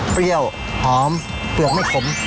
เปรี้ยวหอมเปลือกไม่ขม